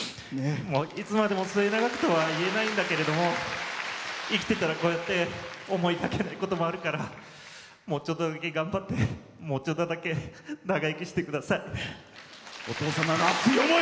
いつまでも末永くとは言えないんだけれども生きてたら、こうやって思いがけないこともあるからもうちょっとだけ頑張ってもうちょっとだけ長生きしてください。